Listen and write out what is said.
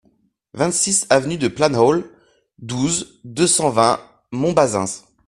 vingt-six avenue du Planhol, douze, deux cent vingt, Montbazens